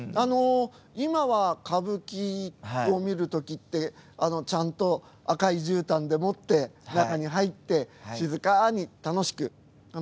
今は歌舞伎を見るときってちゃんと赤いじゅうたんでもって中に入って静かに楽しく。